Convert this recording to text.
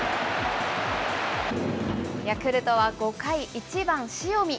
ヤクルトは５回、１番塩見。